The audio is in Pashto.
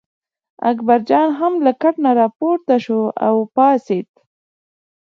اکبرجان هم له کټ نه راپورته شو او یې پاڅېد.